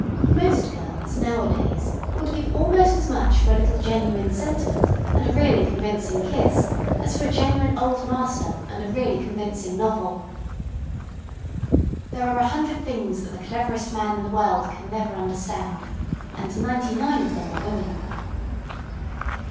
Most girls, nowadays, would give almost as much for a little genuine sentiment and a really convincing kiss, as for a genuine "old master" and a really convincing novel. There are a hundred things that the cleverest man in the world never can understand and ninety nine of them are women.